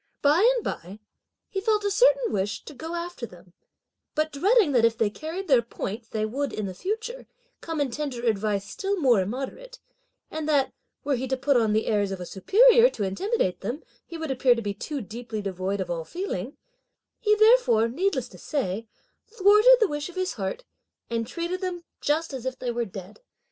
By and by he felt a certain wish to go after them, but dreading that if they carried their point, they would, in the future, come and tender advice still more immoderate, and that, were he to put on the airs of a superior to intimidate them, he would appear to be too deeply devoid of all feeling, he therefore, needless to say, thwarted the wish of his heart, and treated them just as if they were dead.